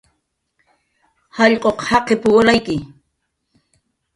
"Jallq'uq jaqip"" walayki"